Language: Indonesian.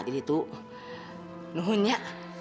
jadi tuh nungunya